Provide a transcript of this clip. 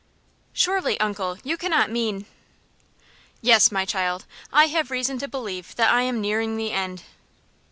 "Surely, uncle, you cannot mean " "Yes, my child, I have reason to believe that I am nearing the end."